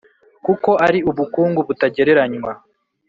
kuko ari ubukungu butagereranywa